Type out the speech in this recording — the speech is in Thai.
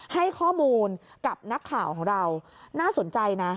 ให้ข้อมูลกับนักข่าวของเราน่าสนใจนะ